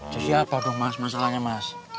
jadi apa dong mas masalahnya mas